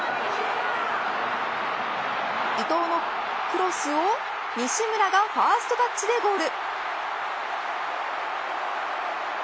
伊東のクロスを西村がファーストタッチでゴール。